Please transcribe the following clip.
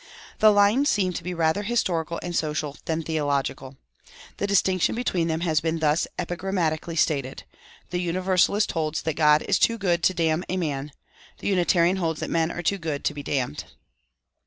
The lines seem to be rather historical and social than theological. The distinction between them has been thus epigrammatically stated: that the Universalist holds that God is too good to damn a man; the Unitarian holds that men are too good to be damned.